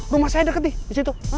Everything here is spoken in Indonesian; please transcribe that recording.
rumah saya deket nih di situ